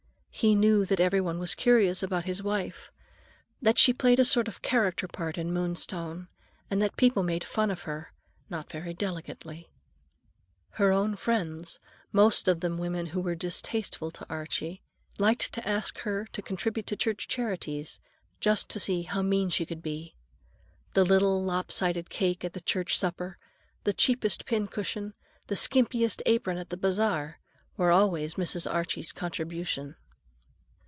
He knew that every one was curious about his wife, that she played a sort of character part in Moonstone, and that people made fun of her, not very delicately. Her own friends—most of them women who were distasteful to Archie—liked to ask her to contribute to church charities, just to see how mean she could be. The little, lop sided cake at the church supper, the cheapest pincushion, the skimpiest apron at the bazaar, were always Mrs. Archie's contribution.